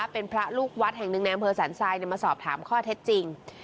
เป็นพระลูกวัดแห่งหนึ่งในอำเภอสันทรายมาสอบถามข้อเท็จจริง